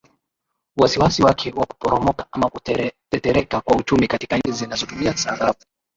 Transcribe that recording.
wasiwasi wake wa kuporomoka ama kutetereka kwa uchumi katika nchi zinazotumia sarafu